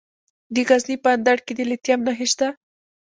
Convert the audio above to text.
د غزني په اندړ کې د لیتیم نښې شته.